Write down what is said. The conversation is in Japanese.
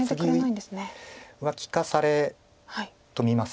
利かされと見ます